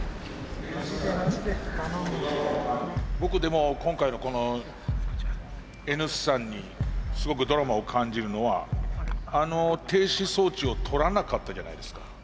僕でも今回のこのＮ産にすごくドラマを感じるのはあの停止装置を取らなかったじゃないですか。